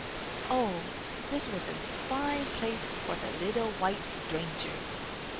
O, this was a fine place for the little white stranger!